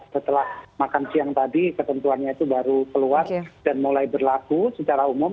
setelah makan siang tadi ketentuannya itu baru keluar dan mulai berlaku secara umum